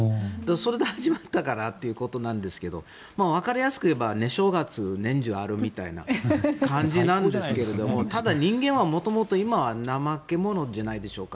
それで始まったからということですけどわかりやすく言えば寝正月が年中あるみたいな感じなんですがただ、人間は元々は今は怠け者じゃないでしょうか。